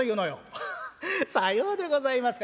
「ハハさようでございますか。